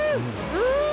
うん！